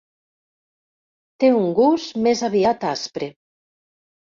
Té un gust més aviat aspre.